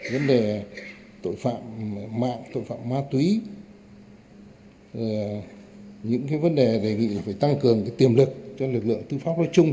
vấn đề tội phạm mạng tội phạm ma túy những vấn đề đề nghị là phải tăng cường tiềm lực cho lực lượng tư pháp nói chung